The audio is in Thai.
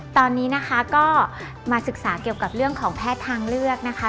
ตอนนี้นะคะก็มาศึกษาเกี่ยวกับเรื่องของแพทย์ทางเลือกนะคะ